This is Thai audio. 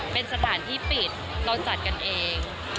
เป็นสถานที่ปิดเราจัดกันเอง